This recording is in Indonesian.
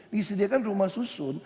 disediakan rumah susun